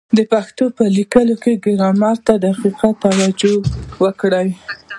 د پښتو په لیکلو کي ګرامر ته دقیقه توجه وکړئ!